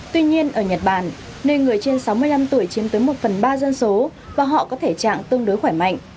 tuy nhiên ở nhật bản nơi người trên sáu mươi năm tuổi chiếm tới một phần ba dân số và họ có thể trạng tương đối khỏe mạnh